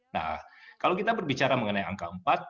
nah kalau kita berbicara mengenai angka empat